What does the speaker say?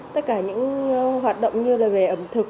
tất cả những hoạt động như là về ẩm thực